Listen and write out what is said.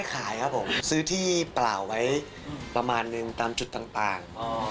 ขายครับผมซื้อที่เปล่าไว้ประมาณนึงตามจุดต่าง